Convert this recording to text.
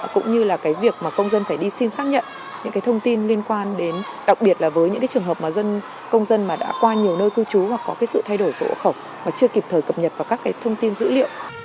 cũng như là cái việc mà công dân phải đi xin xác nhận những cái thông tin liên quan đến đặc biệt là với những cái trường hợp mà công dân mà đã qua nhiều nơi cư trú hoặc có cái sự thay đổi sổ hộ khẩu mà chưa kịp thời cập nhật vào các cái thông tin dữ liệu